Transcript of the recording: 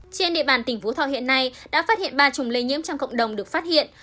trên địa bàn tỉnh phú thọ hiện nay đã phát hiện ba chùm lây nhiễm trong cộng đồng được phát hiện